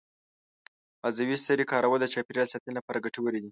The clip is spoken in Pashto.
د عضوي سرې کارول د چاپیریال ساتنې لپاره ګټور دي.